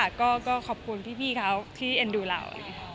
ก็ขอบคุณพี่เขาที่เอ็นดูเรา